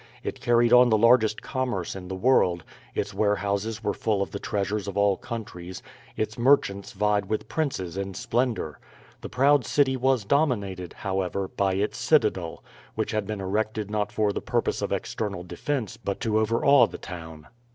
It carried on the largest commerce in the world, its warehouses were full of the treasures of all countries, its merchants vied with princes in splendour. The proud city was dominated, however, by its citadel, which had been erected not for the purpose of external defence but to overawe the town.